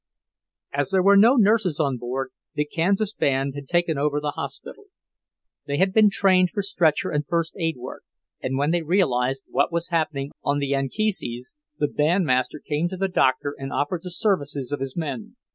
As there were no nurses on board, the Kansas band had taken over the hospital. They had been trained for stretcher and first aid work, and when they realized what was happening on the Anchises, the bandmaster came to the Doctor and offered the services of his men.